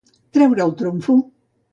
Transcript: Treure de trumfo.